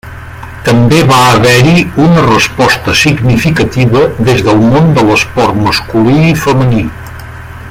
També va haver-hi una resposta significativa des del món de l'esport masculí i femení.